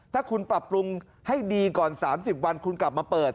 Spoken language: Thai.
ถ้าคุณปรับปรุงให้ดีก่อน๓๐วันคุณกลับมาเปิด